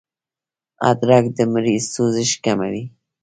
ادرک د مرۍ سوزش کموي